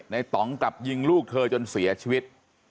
ต่องกลับยิงลูกเธอจนเสียชีวิต